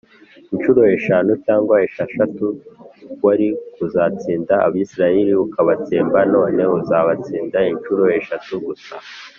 incuro eshanu cyangwa esheshatu wari kuzatsinda Abasiriya ukabatsemba None uzabatsinda incuro eshatu gusa